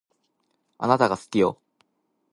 あなたが好きよ